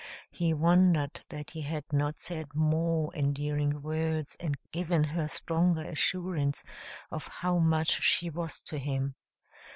He wondered that he had not said more endearing words and given her stronger assurance of how much she was to him.